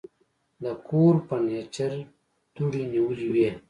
د کور فرنيچر دوړې نیولې وې.